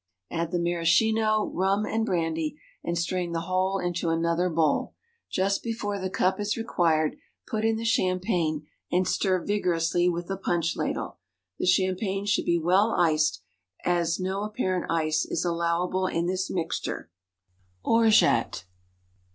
Add the maraschino, rum, and brandy, and strain the whole into another bowl. Just before the cup is required, put in the champagne, and stir vigorously with a punch ladle. The champagne should be well iced, as no apparent ice is allowable in this mixture. _Orgeat.